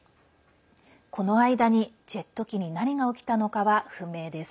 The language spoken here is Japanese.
この間にジェット機に何が起きたのかは不明です。